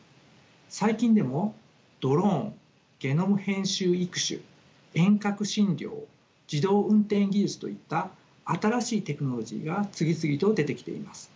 最近でもドローンゲノム編集育種遠隔診療自動運転技術といった新しいテクノロジーが次々と出てきています。